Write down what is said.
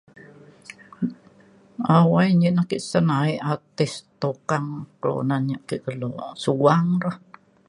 awai nyan ake sen aik artis tuk kang kelunan ya' ake keluk suang re